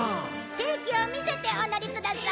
定期を見せてお乗りください。